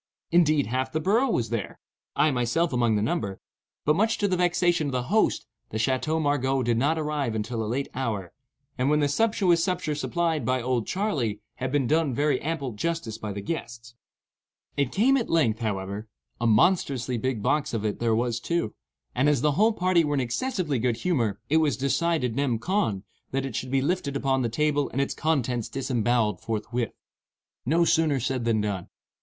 Indeed, half the borough was there,—I myself among the number,—but, much to the vexation of the host, the Chateau Margaux did not arrive until a late hour, and when the sumptuous supper supplied by "Old Charley" had been done very ample justice by the guests. It came at length, however,—a monstrously big box of it there was, too—and as the whole party were in excessively good humor, it was decided, nem. con., that it should be lifted upon the table and its contents disembowelled forthwith. No sooner said than done.